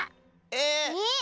え？